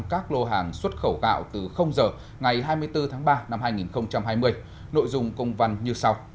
các lô hàng xuất khẩu gạo từ giờ ngày hai mươi bốn tháng ba năm hai nghìn hai mươi nội dung công văn như sau